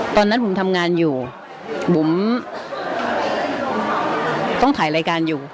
ตอนนั้นผมทำงานอยู่บุ๋มต้องถ่ายรายการอยู่